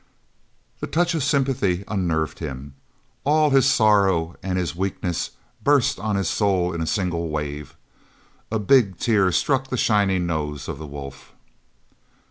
The touch of sympathy unnerved him. All his sorrow and his weakness burst on his soul in a single wave. A big tear struck the shining nose of the wolf.